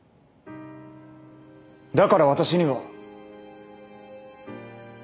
だから私には。